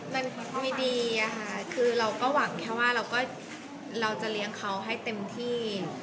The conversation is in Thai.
มันไม่ดีอะค่ะคือเราก็หวังแค่ว่าเราก็เราจะเลี้ยงเขาให้เต็มที่